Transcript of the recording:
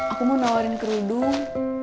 aku mau nawarin kerudung